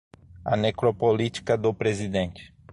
A necropolítica do presidente